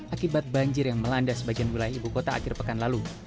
akibat banjir yang melanda sebagian wilayah ibu kota akhir pekan lalu